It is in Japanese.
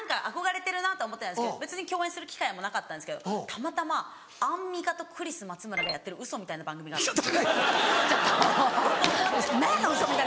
憧れてるなとは思ってたんですけど別に共演する機会もなかったんですけどたまたまアンミカとクリス松村がやってるウソみたいな番組があったんです。